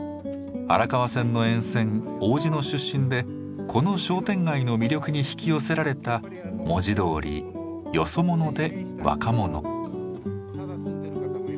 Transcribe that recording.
荒川線の沿線王子の出身でこの商店街の魅力に引き寄せられた文字どおりよそ者で若者。